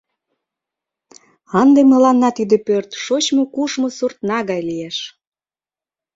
— Ынде мыланна тиде пӧрт шочмо-кушмо суртна гай лиеш.